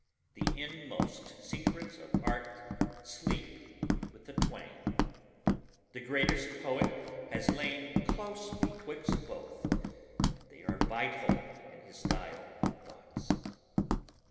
The inmost secrets of art sleep with the twain. The greatest poet has lain close betwixt both and they are vital in his style and thoughts.